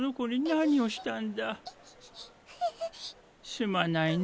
すまないね